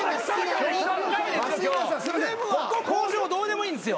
ここ向上どうでもいいんですよ。